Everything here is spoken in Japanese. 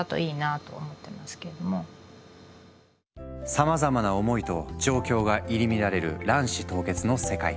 さまざまな思いと状況が入り乱れる卵子凍結の世界。